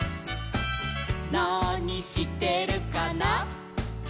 「なにしてるかな」